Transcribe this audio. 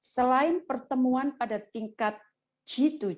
selain pertemuan pada tingkat g dua puluh